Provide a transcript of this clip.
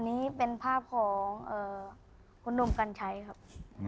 นี้เป็นภาพของคุณหนุ่มกัญชัยครับ